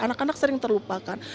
anak anak sering terlupakan